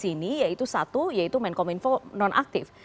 di sini yaitu satu yaitu menkominfo nonaktif